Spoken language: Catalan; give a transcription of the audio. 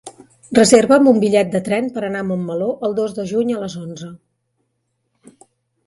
Reserva'm un bitllet de tren per anar a Montmeló el dos de juny a les onze.